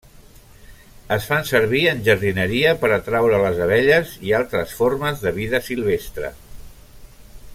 Es fan servir en jardineria per atraure les abelles i altres formes de vida silvestre.